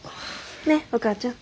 ねっお母ちゃん。